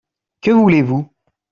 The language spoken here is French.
Que voulez-vous ?